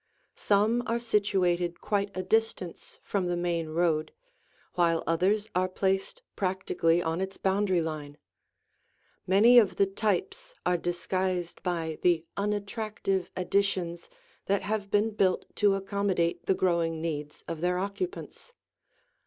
Some are situated quite a distance from the main road, while others are placed practically on its boundary line. Many of the types are disguised by the unattractive additions that have been built to accommodate the growing needs of their occupants.